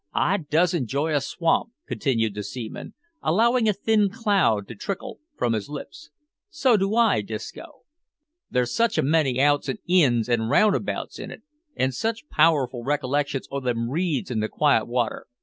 "I does enjoy a swamp," continued the seaman, allowing a thin cloud to trickle from his lips. "So do I, Disco." "There's such a many outs and ins an' roundabouts in it. And such powerful reflections o' them reeds in the quiet water.